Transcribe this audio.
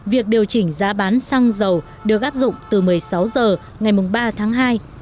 việc điều chỉnh giá bán xăng dầu được áp dụng từ một mươi sáu h ngày ba tháng hai